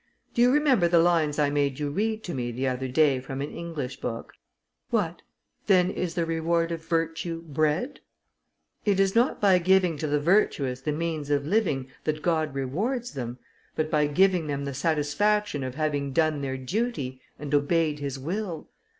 Do you remember the lines I made you read to me the other day from an English book? 'What! then is the reward of virtue bread?'[A] [A] Pope. "Essay on Man." "It is not by giving to the virtuous the means of living, that God rewards them, but by giving them the satisfaction of having done their duty, and obeyed his will.